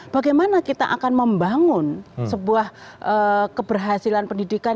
bagaimana kita akan membangun sebuah keberhasilan pendidikan